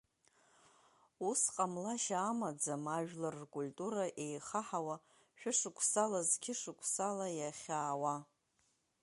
Ус ҟамлашьа амаӡам ажәлар ркультура еихаҳауа шәышықәсала, зқьышықәсала иахьаауа.